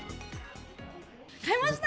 買いました！